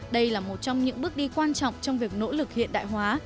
đây là một trong những bước đi quan trọng trong việc nỗ lực hiện đại hóa